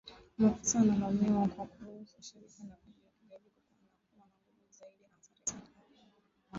Maafisa wanalaumiwa kwa kuruhusu ushirika wa kundi la kigaidi kukua na kuwa na nguvu zaidi na hatari sana